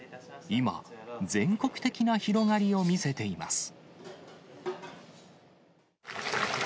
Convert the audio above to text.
今、全国的な広がりを見せています。